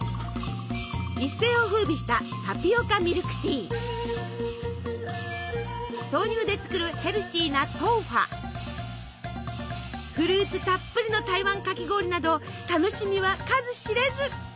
一世をふうびした豆乳で作るヘルシーなフルーツたっぷりの台湾かき氷など楽しみは数知れず。